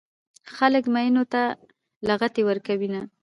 خلک ميينو ته لغتې ورکوينه